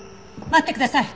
待ってください！